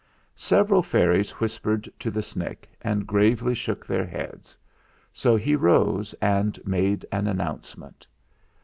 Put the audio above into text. Several fairies whispered to the Snick and gravely shook their heads ; so he rose and made an announcement.